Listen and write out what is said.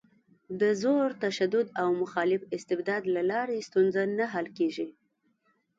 د زور، تشدد او مخالف استبداد له لارې ستونزه نه حل کېږي.